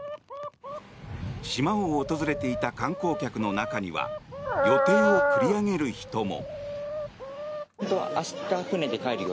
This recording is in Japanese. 島を訪れていた観光客の中には予定を繰り上げる人も。